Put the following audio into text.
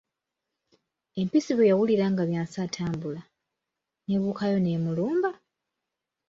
Empisi bwe yawulira nga Byansi atambula, n'ebuukayo n'emulumba!